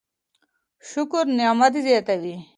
شکر نعمت زياتوي.